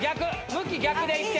向き逆でいって。